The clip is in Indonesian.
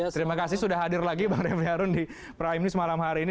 terima kasih sudah hadir lagi bang refli harun di prime news malam hari ini